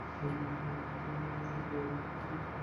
টানা তিন জয়ের পরও শেষ চারের স্বপ্ন হয়তো নিজেরাও দেখছে না।